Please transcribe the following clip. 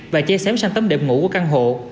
và cháy xém sang tấm đệm ngủ của căn hộ